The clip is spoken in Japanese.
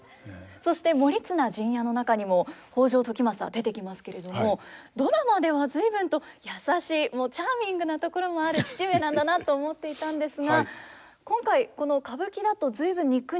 そして「盛綱陣屋」の中にも北条時政出てきますけれどもドラマでは随分と優しいチャーミングなところもある父上なんだなと思っていたんですが今回この歌舞伎だと随分憎々しい感じですね。